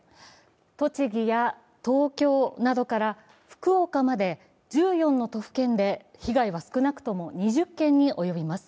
栃木や東京などから福岡まで１４の都府県で被害は少なくとも２０件に及びます。